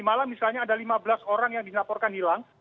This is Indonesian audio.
malah misalnya ada lima belas orang yang dilaporkan hilang